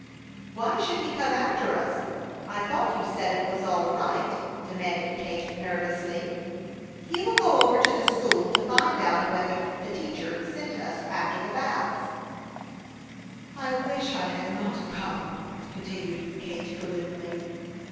"Why should he come after us? I thought you said it was all right," demanded Kate, nervously. "He will go over to the school to find out whether the teacher sent us after the boughs." "I wish I had not come," continued Kate, gloomily.